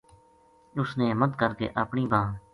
اس نے ہمت کر کے اپنی بانہہ